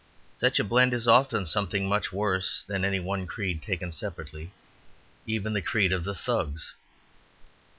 Such a blend is often something much worse than any one creed taken separately, even the creed of the Thugs.